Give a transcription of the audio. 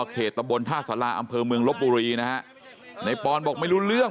ตะบนท่าสาราอำเภอเมืองลบบุรีนะฮะในปอนบอกไม่รู้เรื่อง